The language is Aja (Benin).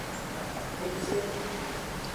Ece.